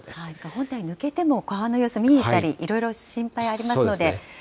本体抜けても、川の様子見に行ったりいろいろ心配ありますので注意が必要ですね。